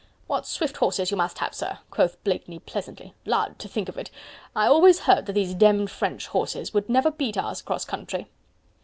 "What swift horses you must have, sir," quoth Blakeney pleasantly. "Lud! to think of it!... I always heard that these demmed French horses would never beat ours across country."